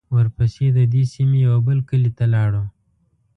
ورپسې د دې سیمې یوه بل کلي ته لاړو.